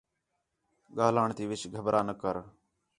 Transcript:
ڳاہلݨ تی وچ گھبرا نہ کر